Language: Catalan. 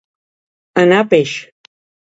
Anar peix.